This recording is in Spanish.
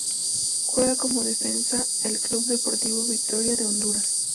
Juega como defensa el Club Deportivo Victoria de Honduras.